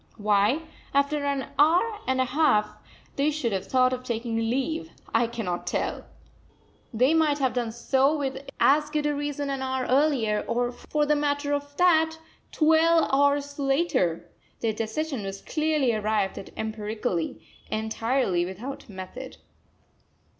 Why, after an hour and a half, they should have thought of taking leave, I cannot tell. They might have done so with as good a reason an hour earlier, or, for the matter of that, twelve hours later! Their decision was clearly arrived at empirically, entirely without method.